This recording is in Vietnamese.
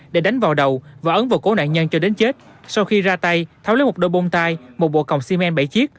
để đánh vào đầu và ấn vào cổ nạn nhân cho đến chết sau khi ra tay tháo lấy một đôi bông tai một bộ còng xi men bảy chiếc